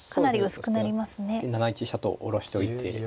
薄くなって７一飛車と下ろしておいて。